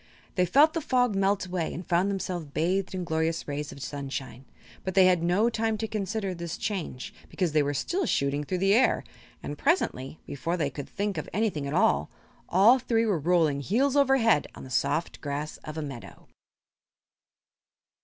They felt the fog melt away and found themselves bathed in glorious rays of sunshine; but they had no time to consider this change because they were still shooting through the air, and presently before they could think of anything at all all three were rolling heels over head on the soft grass of a meadow.